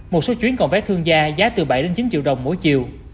một số chuyến còn vé thương gia giá từ bảy chín triệu đồng mỗi chiều